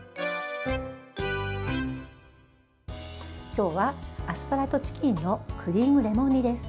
今日はアスパラとチキンのクリームレモン煮です。